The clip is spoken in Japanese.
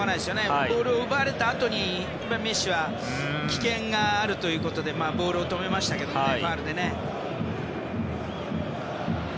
ボールを奪われたあとにメッシは危険があるということでボールを止めましたけどファウルで。